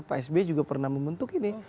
pak s b juga pernah membentuk ini